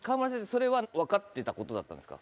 それは分かってたことだったんですか？